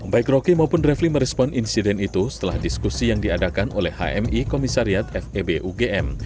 baik rocky maupun refli merespon insiden itu setelah diskusi yang diadakan oleh hmi komisariat febugm